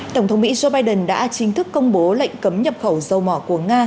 tổng thống mỹ joe biden đã chính thức công bố lệnh cấm nhập khẩu dầu mỏ của nga